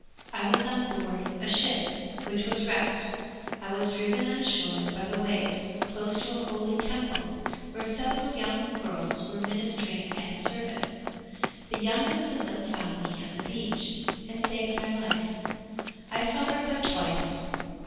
I was on board a ship which was wrecked; I was driven on shore by the waves close to a holy Temple where several young girls were ministering at a service; the youngest of them found me on the beach and saved my life; I saw her but twice.